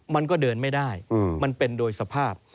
มันก็เดินไม่ได้มันเป็นโดยสภาพ